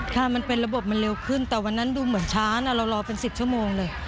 ค่ะมันเป็นระบบมันเร็วขึ้นแต่วันนั้นดูเหมือนช้านะเรารอเป็น๑๐ชั่วโมงเลย